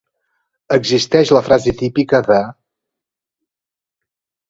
Existeix la frase típica de: